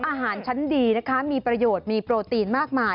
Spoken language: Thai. อาหารชั้นดีนะคะมีประโยชน์มีโปรตีนมากมาย